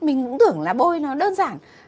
mình cũng tưởng là bôi nó đơn giản